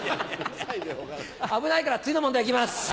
危ないから次の問題いきます